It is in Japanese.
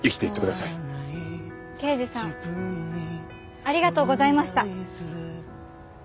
刑事さんありがとうございました。